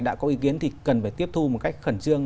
đã có ý kiến thì cần phải tiếp thu một cách khẩn trương